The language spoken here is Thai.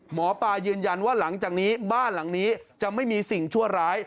หมอปลายืนยันว่าหลังจากนี้บ้านหลังนี้จะไม่มีสิ่งชั่วร้าย